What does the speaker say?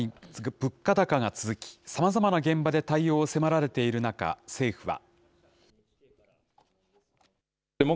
物価高が続き、さまざまな現場で対応を迫られている中、政府は。